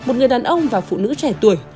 một người đàn ông và phụ nữ trẻ tuổi